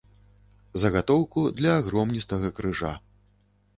Загатоўку для агромністага крыжа.